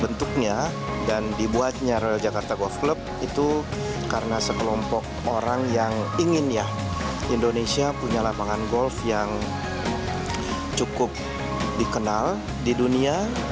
bentuknya dan dibuatnya roll jakarta golf club itu karena sekelompok orang yang ingin ya indonesia punya lapangan golf yang cukup dikenal di dunia